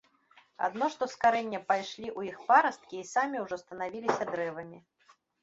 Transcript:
Адно што з карэння пайшлі ў іх парасткі і самі ўжо станавіліся дрэвамі.